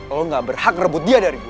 lo gak berhak rebut dia dari gue